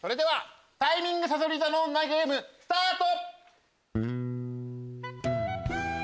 タイミングさそり座の女ゲームスタート！